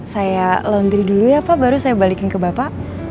saya laundry dulu ya pak baru saya balikin ke bapak